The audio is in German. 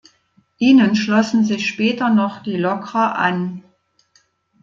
Ihnen schlossen sich später noch die Lokrer an.